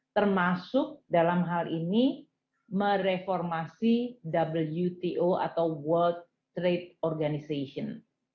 termasuk dalam hal ini mereformasi wto atau world trade organization